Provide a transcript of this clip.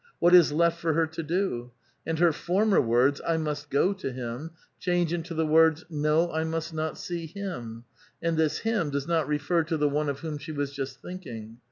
What is left for her to do? And her former words, " I must go to him," change into the words, '* No, I must not see him" and this him does not refer to the one of whom she was just thinking.